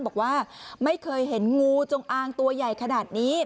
บอกว่าไม่เคยเห็นงูจงอางตัวใหญ่ขนาดนี้